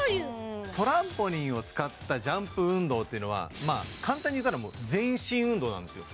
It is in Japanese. トランポリンを使ったジャンプ運動っていうのはまあ簡単に言ったら全身運動なんですよ